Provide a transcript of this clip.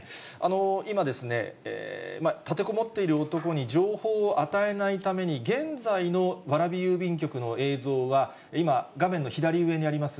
今、立てこもっている男に情報を与えないために、現在の蕨郵便局の映像は今、画面の左上にあります